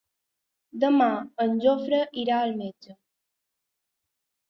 Demà en Jofre irà al metge.